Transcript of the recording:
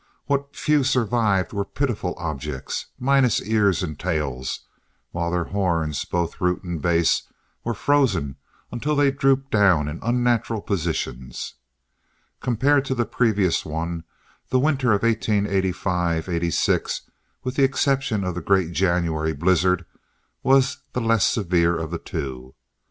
What few survived were pitiful objects, minus ears and tails, while their horns, both root and base, were frozen until they drooped down in unnatural positions. Compared to the previous one, the winter of 1885 86, with the exception of the great January blizzard, was the less severe of the two.